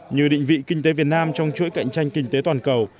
như định vị kinh tế việt nam trong chuỗi cạnh tranh kinh tế toàn cầu